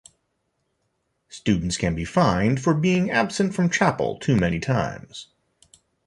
Students can be fined for being absent from chapel too many times.